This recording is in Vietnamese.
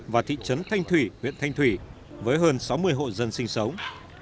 và thị trấn thanh thủy huyện thanh thủy với hơn sáu mươi hộ dân sinh sống